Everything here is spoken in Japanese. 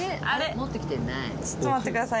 持ってきてない？